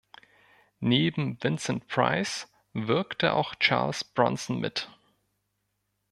Neben Vincent Price wirkte auch Charles Bronson mit.